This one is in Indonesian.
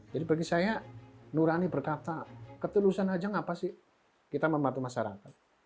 jadi bagi saya nurani berkata ketulusan aja ngapa sih kita membantu masyarakat